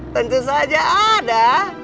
tentu saja ada